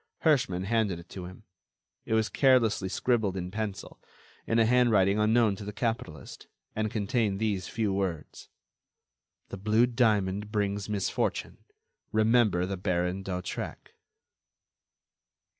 Herschmann handed it to him. It was carelessly scribbled in pencil, in a handwriting unknown to the capitalist, and contained these few words: _"The blue diamond brings misfortune. Remember the Baron d'Hautrec."